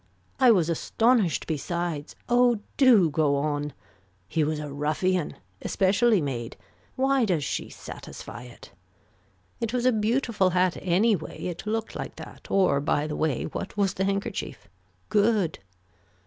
I was astonished besides. Oh do go on. He was a ruffian. Especially made. Why does she satisfy it. It was a beautiful hat anyway it looked like that or by the way what was the handkerchief. Good.